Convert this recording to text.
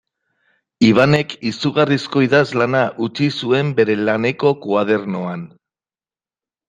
Ibanek izugarrizko idazlana utzi zuen bere laneko koadernoan.